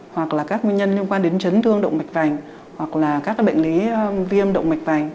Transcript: hoặc là các nguyên nhân liên quan đến chấn thương động mạch vành hoặc là các bệnh lý viêm động mạch vành